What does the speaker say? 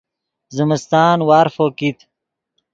زمستان وارفو کیت